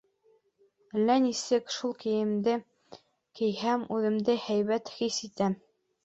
Әллә нисек, шул кейемде кейһәм, үҙемде һәйбәт хис итәм...